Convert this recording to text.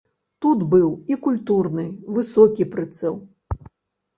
Тут быў і культурны, высокі прыцэл.